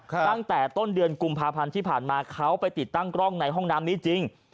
ตั้งแต่ต้นเดือนกุมภาพันธ์ที่ผ่านมาเขาไปติดตั้งกล้องในห้องน้ำนี้จริง